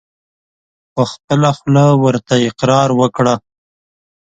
په خپله خوله ورته اقرار وکړه !